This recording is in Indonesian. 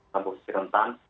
tanpa usir rentan